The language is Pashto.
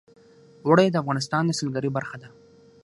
اوړي د افغانستان د سیلګرۍ برخه ده.